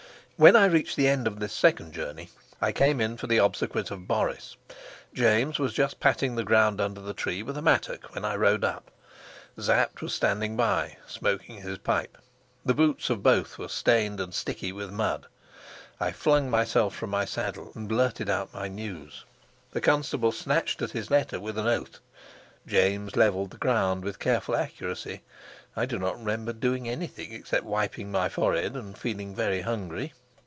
When I reached the end of this second journey, I came in for the obsequies of Boris. James was just patting the ground under the tree with a mattock when I rode up; Sapt was standing by, smoking his pipe. The boots of both were stained and sticky with mud. I flung myself from my saddle and blurted out my news. The constable snatched at his letter with an oath; James leveled the ground with careful accuracy; I do not remember doing anything except wiping my forehead and feeling very hungry.